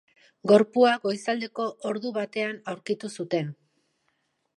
Gorpua goizaldeko ordu batean aurkitu zuten.